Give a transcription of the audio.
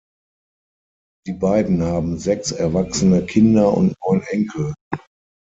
Die beiden haben sechs erwachsene Kinder und neun Enkel.